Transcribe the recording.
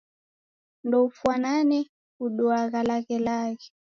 Ndoufwanefwane uduagha laghelaghe.